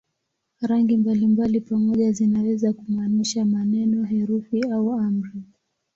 Rangi mbalimbali pamoja zinaweza kumaanisha maneno, herufi au amri.